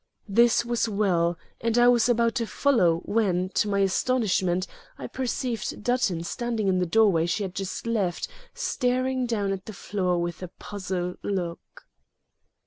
This was well, and I was about to follow when, to my astonishment, I perceived Dutton standing in the doorway she had just left, staring down at the floor with a puzzled look.